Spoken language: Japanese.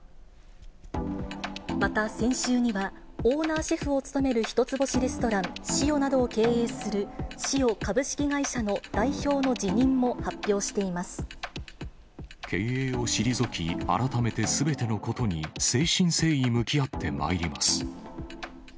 また、先週には、オーナーシェフを務める一つ星レストラン、ＳＩＯなどを経営する、ＳＩＯ株式会社の代表の辞任も発表してい経営を退き、改めてすべてのことに誠心誠意向き合ってまいります。